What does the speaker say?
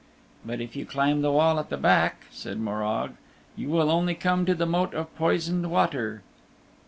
"But if you climb the wall at the back," said Morag, "you will only come to the Moat of Poisoned Water."